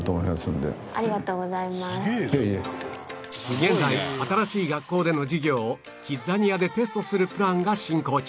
現在新しい学校での授業をキッザニアでテストするプランが進行中